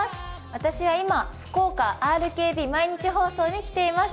私は今福岡ＲＫＢ毎日放送に来ています。